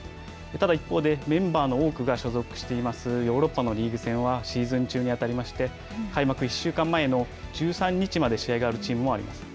ただ、一方で、メンバーの多くが所属していますヨーロッパのリーグ戦は、シーズン中に当たりまして、開幕１週間前の１３日まで試合があるチームもあります。